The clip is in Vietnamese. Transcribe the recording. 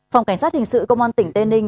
phòng cảnh sát hình sự công an tỉnh tây ninh